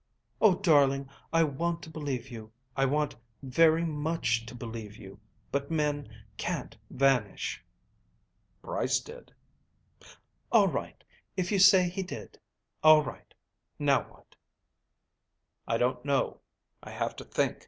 "Oh, darling, I want to believe you. I want very much to believe you; but men can't vanish." "Brice did." "All right. If you say he did. All right. Now what?" "I don't know. I have to think.